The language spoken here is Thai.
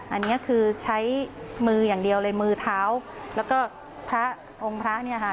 อันนี้คือใช้มืออย่างเดียวเลยมือเท้าแล้วก็พระองค์พระเนี่ยค่ะ